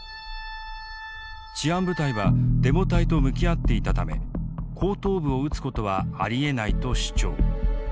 治安部隊はデモ隊と向き合っていたため後頭部を撃つことはありえない」と主張。